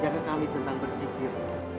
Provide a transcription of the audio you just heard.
ajarkan kami tentang berjikir